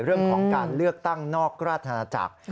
เรื่องของการเลือกตั้งนอกราชนาจักร